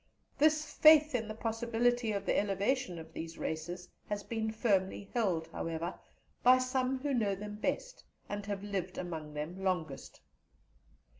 This faith in the possibility of the elevation of these races has been firmly held, however, by some who know them best, and have lived among them the longest.